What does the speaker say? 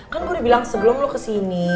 kan gue udah bilang sebelum lo kesini